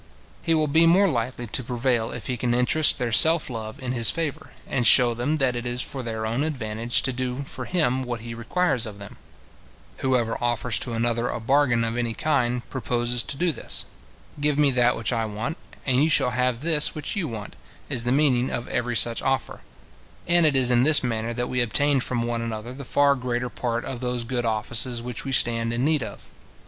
He will be more likely to prevail if he can interest their self love in his favour, and shew them that it is for their own advantage to do for him what he requires of them. Whoever offers to another a bargain of any kind, proposes to do this. Give me that which I want, and you shall have this which you want, is the meaning of every such offer; and it is in this manner that we obtain from one another the far greater part of those good offices which we stand in need of.